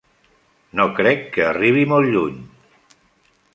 No crec que arribi molt lluny.